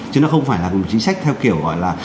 chứ nó không phải là một chính sách theo kiểu gọi là